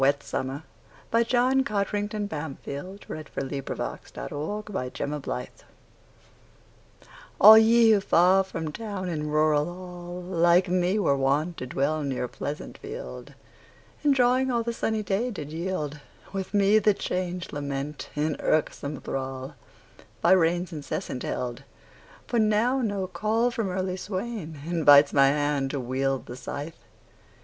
C D . E F . G H . I J . K L . M N . O P . Q R . S T . U V . W X . Y Z Sonnet on a Wet Summer ALL ye who far from town in rural hall, Like me, were wont to dwell near pleasant field, Enjoying all the sunny day did yield, With me the change lament, in irksome thrall, By rains incessant held; for now no call From early swain invites my hand to wield The scythe.